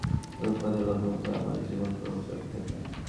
আশা করছি, সামনের দিনগুলোতেও রূপকথার গল্পের মতোই আমার জীবনপ্রবাহ চলতে থাকবে।